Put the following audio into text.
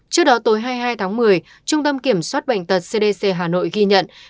trước đó tối hai mươi hai tháng một mươi trung tâm kiểm soát bệnh tật cdc hà nội ghi nhận